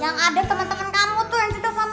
yang ada temen temen kamu tuh yang cinta sama aku